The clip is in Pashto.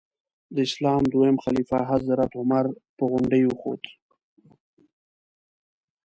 د اسلام دویم خلیفه حضرت عمر په غونډۍ وخوت.